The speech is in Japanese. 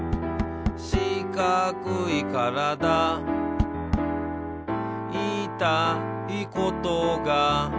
「しかくいからだ」「いいたいことが」